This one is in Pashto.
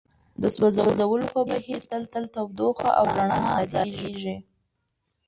د سوځولو په بهیر کې تل تودوخه او رڼا ازادیږي.